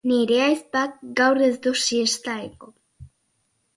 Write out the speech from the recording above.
Harreman estua izan zuen Euskal Herriarekin, Gabriel Arestiren bidez.